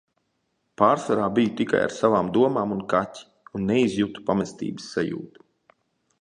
Pārsvarā biju tikai ar savām domām un kaķi. Un neizjutu pamestības sajūtu.